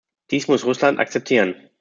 Dies muss Russland akzeptieren.